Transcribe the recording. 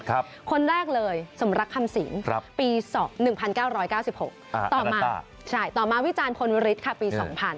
คนแรกเลยสมรักคำสินปี๑๙๙๖ต่อมาวิจารณ์คนวิฤษฐ์ค่ะปี๒๐๐๐